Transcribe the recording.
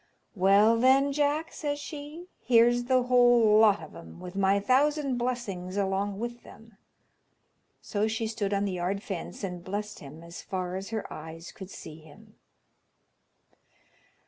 "Well, then, Jack," says she, "here's the whole lot of 'em, with my thousand blessings along with them." So she stood on the yard fence and blessed him as far as her eyes could see him.